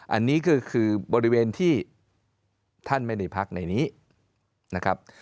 อันนี้ก็คือบริเวณที่ท่านไม่ได้พักในนี้นะครับ